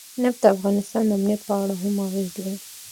نفت د افغانستان د امنیت په اړه هم اغېز لري.